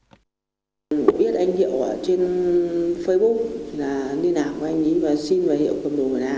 tôi biết anh hiệu ở trên facebook là đi nào của anh ý và xin về hiệu cầm đồ của anh